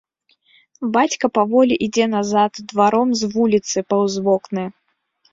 Бацька паволі ідзе назад дваром з вуліцы паўз вокны.